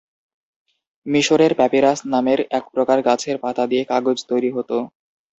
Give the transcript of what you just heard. মিসরের প্যাপিরাস নামের একপ্রকার গাছের পাতা দিয়ে কাগজ তৈরি হতো।